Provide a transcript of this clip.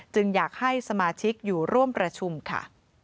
อยากให้สมาชิกอยู่ร่วมประชุมค่ะ